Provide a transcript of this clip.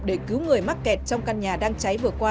để cứu người mắc kẹt trong căn nhà đang cháy vừa qua